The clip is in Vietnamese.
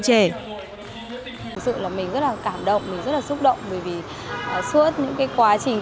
thực sự là mình rất là cảm động mình rất là xúc động bởi vì suốt những quá trình